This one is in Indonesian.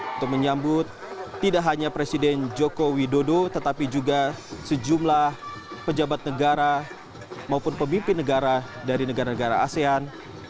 untuk menyambut tidak hanya presiden joko widodo tetapi juga sejumlah pejabat negara maupun pemimpin negara dari negara negara asean